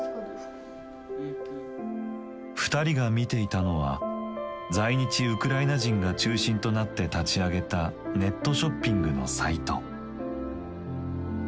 ２人が見ていたのは在日ウクライナ人が中心となって立ち上げたネットショッピングのサイト。